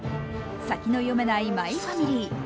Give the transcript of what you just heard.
先の読めない「マイファミリー」。